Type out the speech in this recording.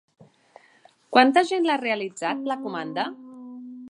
Quanta gent l'ha realitzat, la comanda?